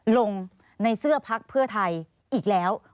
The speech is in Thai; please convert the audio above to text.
ลงในเสื้อพักเพื่อไทยอีกแล้ว